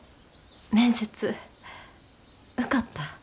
面接受かった。